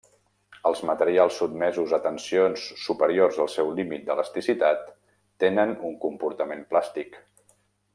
Els materials sotmesos a tensions superiors al seu límit d'elasticitat tenen un comportament plàstic.